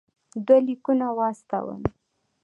دوه لیکونه واستول.